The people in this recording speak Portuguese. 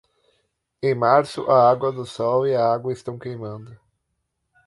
Em março, a água do sol e a água estão queimando.